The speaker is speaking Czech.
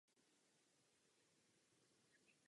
Tak postupuje stále blíž a blíž k centru fašistického Německa.